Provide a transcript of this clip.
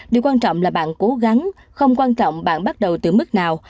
điều quan trọng là bạn cố gắng không quan trọng bạn bắt đầu từ mức nào